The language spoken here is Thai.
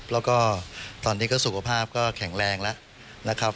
แล้วก็ตอนนี้ก็สุขภาพก็แข็งแรงแล้วนะครับ